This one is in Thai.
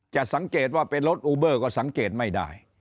จะสังเกตว่าเป็นรถอูเบอร์ก็สังเกตไม่ได้